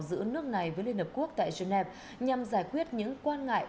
giữa nước này với liên hợp quốc tại genève nhằm giải quyết những quan ngại